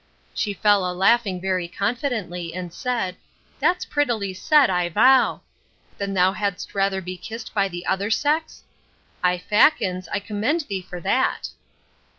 She fell a laughing very confidently, and said, That's prettily said, I vow! Then thou hadst rather be kissed by the other sex? 'I fackins, I commend thee for that!